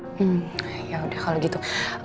hmm ya udah kalau gitu